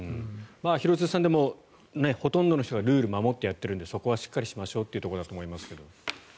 廣津留さんでもほとんどの人がルールを守ってやっているのでそこはしっかりしましょうというところだと思いますが。